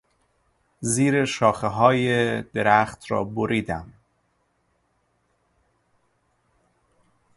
زیر شاخههای درخت را بریدم.